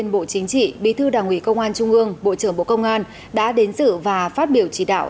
bộ chính trị bí thư đảng ủy công an trung ương bộ trưởng bộ công an đã đến sự và phát biểu chỉ đạo